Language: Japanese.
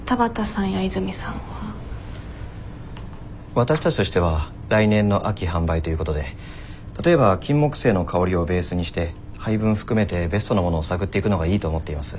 わたしたちとしては来年の秋販売ということで例えばキンモクセイの香りをベースにして配分含めてベストなものを探っていくのがいいと思っています。